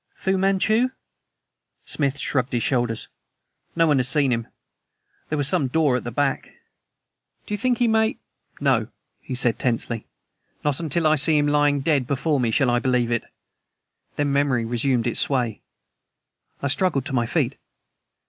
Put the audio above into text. "Fu Manchu?" Smith shrugged his shoulders. "No one has seen him. There was some door at the back " "Do you think he may " "No," he said tensely. "Not until I see him lying dead before me shall I believe it." Then memory resumed its sway. I struggled to my feet.